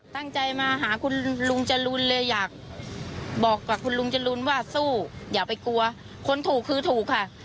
ตั้งใจมาหาคุณลุงจรูนเลยอยากบอกกับคุณลุงจรูนว่าสู้อย่าไปกลัวคนถูกคือถูกค่ะ